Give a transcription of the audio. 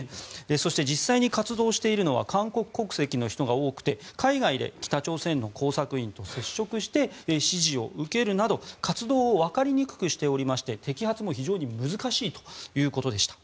そして、実際に活動しているのは韓国国籍の人が多くて海外で北朝鮮の工作員と接触して指示を受けるなど、活動をわかりにくくしておりまして摘発も非常に難しいということでした。